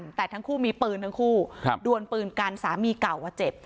แต่ทั้งคู่มีปืนทั้งคู่ครับดวนปืนกันสามีเก่าอ่ะเจ็บ